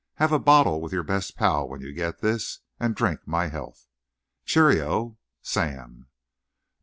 Have a bottle with your best pal when you get this, and drink my health. Cheerio! Sam.